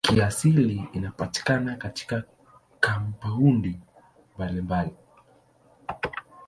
Kiasili inapatikana katika kampaundi mbalimbali.